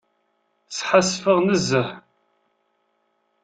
Sḥassfeɣ nezzeh.